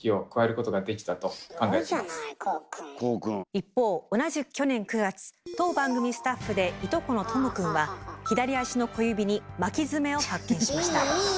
一方同じく去年９月当番組スタッフでいとこのとも君は左足の小指に巻き爪を発見しました。